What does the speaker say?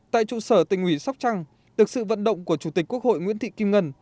tại trụ sở tỉnh ủy sóc trăng được sự vận động của chủ tịch quốc hội nguyễn thị kim ngân